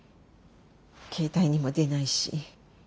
携帯にも出ないし。